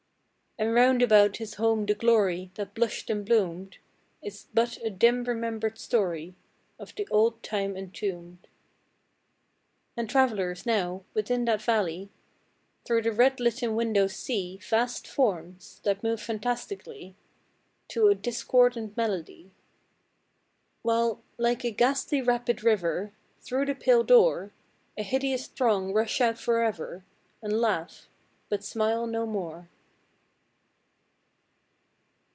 And round about his home the glory That blushed and bloomed, Is but a dim remembered story Of the old time entombed. And travellers, now, within that valley, Through the red litten windows see Vast forms, that move fantastically To a discordant melody, While, like a ghastly rapid river, Through the pale door A hideous throng rush out forever And laugh but smile no more.